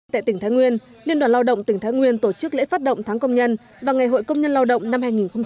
tại tỉnh thái nguyên liên đoàn lao động tỉnh thái nguyên tổ chức lễ phát động tháng công nhân và ngày hội công nhân lao động năm hai nghìn hai mươi